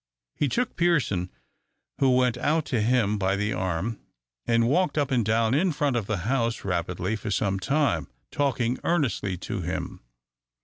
He took Pearson, who went out to him, by the arm, and walked up and down in front of the house rapidly for some time, talking earnestly to him.